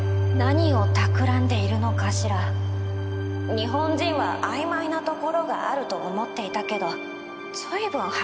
日本人は曖昧なところがあると思っていたけど私が計算します。